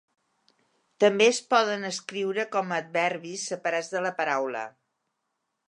També es poden escriure com a adverbis separats de la paraula.